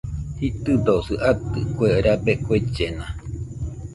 Jitɨdosi atɨ, kue rabe kuellena